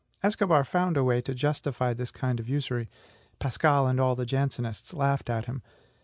Escobar found a way to justify this kind of usury. Pascal and all the Jansenists laughed at him.